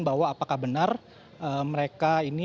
bahwa apakah benar mereka ini